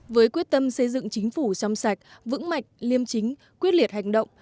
với quyết tâm xây dựng chính phủ xong sạch vững mạch liêm chính quyết liệt hành động